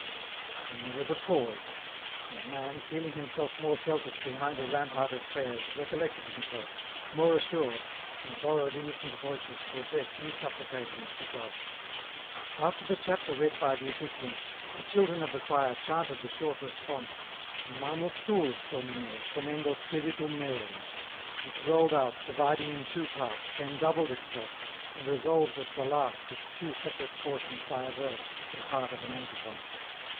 Then there was a pause — ^and man, feeling himself more sheltered, behind a rampart of prayers, recollected himself, more assured, and borrowed innocent voices to address new supplications to God. After the chapter read by the officiant, the children of the choir chanted the short response EN ROUTE. 267 " In manus tuus Domine, commendo spiritum meum," which rolled out, dividing in two parts, then doubled itself, and resolved at the last its two separate portions by a verse, and part of an antiphon.